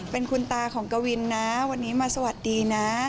เป็นคุณตาของกวินนะวันนี้มาสวัสดีนะ